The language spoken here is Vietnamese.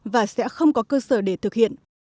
và sẽ không có cơ sở để thực hiện